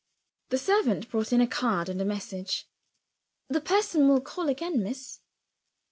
The servant brought in a card and a message. "The person will call again, miss."